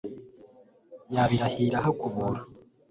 yabirahiye irahakubura